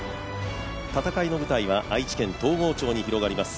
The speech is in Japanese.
戦いの舞台は愛知県東郷町にあります